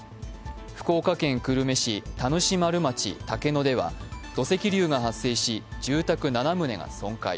福岡県久留米市田主丸町竹野では土石流が発生し、住宅７棟が損壊。